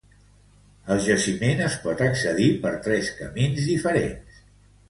Al jaciment es pot accedir per tres camins diferents.